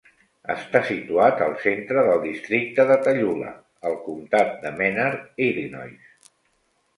Està situat al centre del districte de Tallula, al comtat de Menard (Illinois).